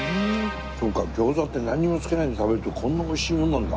そうか餃子って何もつけないで食べるとこんな美味しいものなんだ。